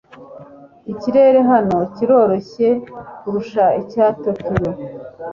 Ikirere hano kiroroshye kurusha icya Tokiyo.